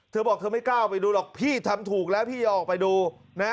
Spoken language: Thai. เธอบอกเธอไม่กล้าไปดูหรอกพี่ทำถูกแล้วพี่จะออกไปดูนะ